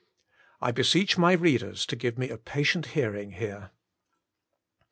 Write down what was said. I beseech my readers to give me a patient hear ing here.